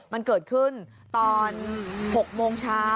มันเกิดขึ้นตอน๖โมงเช้า